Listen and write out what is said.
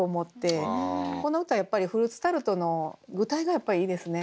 この歌やっぱり「フルーツタルト」の具体がいいですね